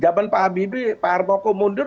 zaman pak habibie pak hartoko mundur